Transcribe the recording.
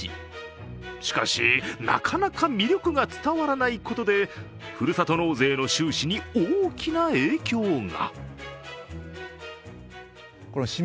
しかし、なかなか魅力が伝わらないことでふるさと納税の収支に大きな影響が。